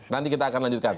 nanti kita akan lanjutkan